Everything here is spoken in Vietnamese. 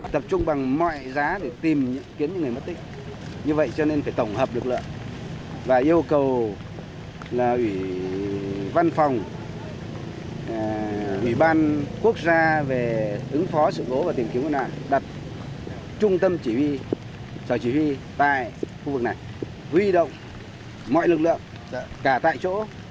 tập trung bằng mọi giá để tìm kiếm những người mất tích